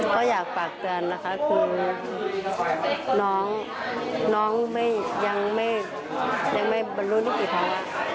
ก็อยากปากเตือนนะคะคือน้องน้องยังไม่บรรลุนิติภัณฑ์